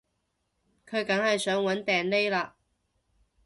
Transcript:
佢梗係想搵掟匿喇